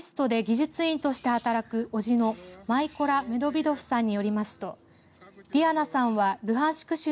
ＯＩＳＴで技術員として働く叔父のマイコラ・メドヴィドフさんによりますとディアナさんはルハンシク